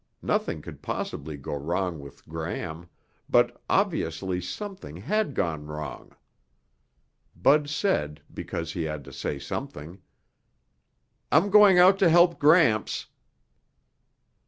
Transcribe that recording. Nothing could possibly go wrong with Gram, but obviously something had gone wrong. Bud said because he had to say something, "I'm going out to help Gramps."